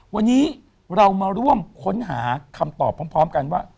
วันนี้เรามาร่วมค้นหาคำตอบพร้อมกันว่า